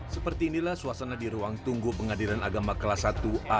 seperti inilah suasana di ruang tunggu pengadilan agama kelas satu a